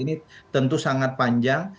berkait hal ini tentu sangat panjang